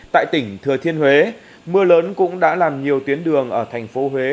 tại tỉnh thừa thiên huế mưa lớn cũng đã làm nhiều tuyến đường ở thành phố huế